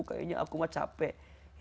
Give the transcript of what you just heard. kayaknya aku mah capek